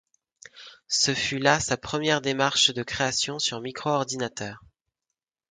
Ce fut là sa première démarche de création sur micro-ordinateur.